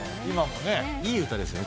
いい歌ですよね